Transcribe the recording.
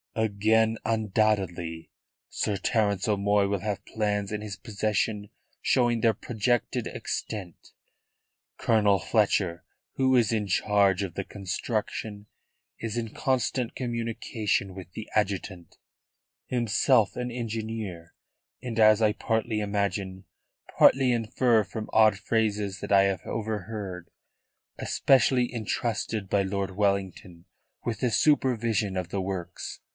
"Again undoubtedly. Sir Terence O'Moy will have plans in his possession showing their projected extent. Colonel Fletcher, who is in charge of the construction, is in constant communication with the adjutant, himself an engineer; and as I partly imagine, partly infer from odd phrases that I have overheard especially entrusted by Lord Wellington with the supervision of the works."